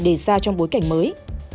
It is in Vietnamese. để ra trong bối cảnh mới